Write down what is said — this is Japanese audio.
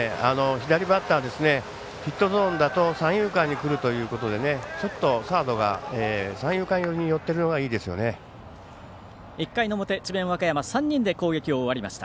左バッターですねヒットゾーンだと三遊間にくるということでちょっとサードが三遊間寄りに寄っているのが１回の表、智弁和歌山３人で攻撃を終わりました。